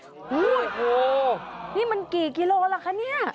โอ้โหนี่มันกี่กิโลล่ะคะเนี่ย